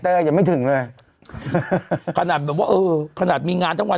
แต่ยังไม่ถึงเลยขนาดแบบว่าเออขนาดมีงานทั้งวัน